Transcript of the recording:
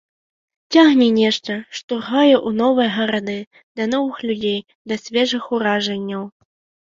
Цягне нешта, штурхае ў новыя гарады, да новых людзей, да свежых уражанняў.